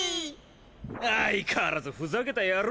相変わらずふざけた野郎